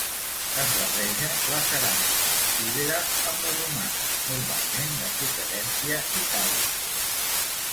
Es barreja la ceràmica ibera amb la romana, normalment de procedència itàlica.